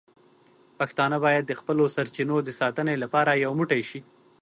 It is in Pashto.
پښتانه باید د خپلو سرچینو د ساتنې لپاره یو موټی شي.